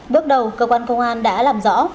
bước đầu cơ quan công an đã làm rõ